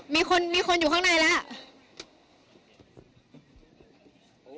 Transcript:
มีคนมีคนอยู่ข้างในแล้ว